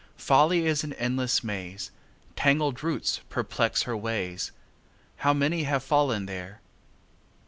Folly is an endless maze; Tangled roots perplex her ways; How many have fallen there!